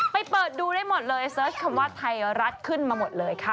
เปิดดูได้หมดเลยเสิร์ชคำว่าไทยรัฐขึ้นมาหมดเลยค่ะ